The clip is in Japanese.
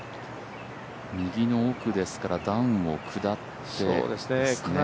右の奥ですから段を下ってですね。